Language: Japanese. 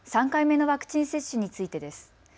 ３回目のワクチン接種についてです。